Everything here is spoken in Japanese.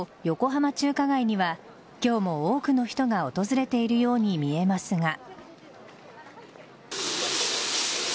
横浜中華街には今日も多くの人が訪れているように見えますが。